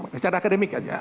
secara akademik aja